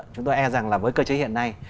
chúng tôi e rằng là với cơ chế hiện nay